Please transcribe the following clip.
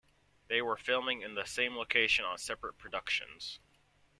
They were filming in the same location on separate productions.